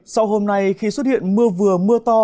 sau hôm nay khi xuất hiện mưa vừa mưa to